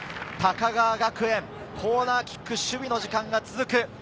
高川学園、コーナーキック、守備の時間が続く。